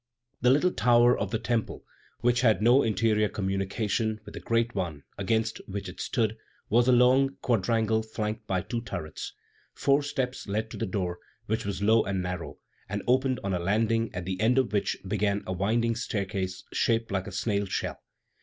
The little tower of the Temple, which had no interior communication with the great one against which it stood, was a long quadrangle flanked by two turrets. Four steps led to the door, which was low and narrow, and opened on a landing at the end of which began a winding staircase shaped like a snail shell.